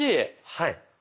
はい。